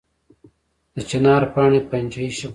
د چنار پاڼې پنجه یي شکل لري